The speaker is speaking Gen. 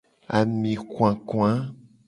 Ami vava.